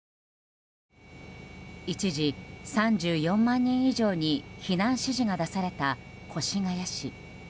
一時、３４万人以上に避難指示が出された越谷市。